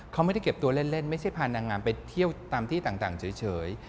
เขาไม่ได้เก็บตัวเล่นไม่ใช่พานางงามไปเที่ยวตามที่ต่างเฉย